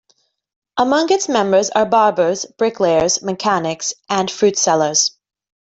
Among its members are barbers, bricklayers, mechanics, and fruit sellers.